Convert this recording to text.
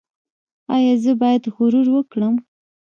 ایا زه باید غرور وکړم؟